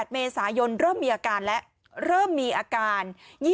๘เมษายนเริ่มมีอาการแล้วเริ่มมีอาการ